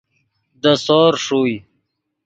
دے سور ݰوئے